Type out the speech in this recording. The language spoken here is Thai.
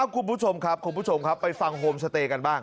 คุณผู้ชมครับไปฟังโฮมสเตย์กันบ้าง